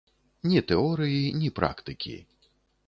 Ні тэорыі, ні практыкі.